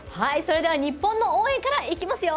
日本の応援からいきますよ。